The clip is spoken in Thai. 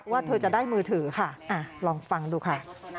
ว่าเธอจะได้มือถือค่ะลองฟังดูค่ะ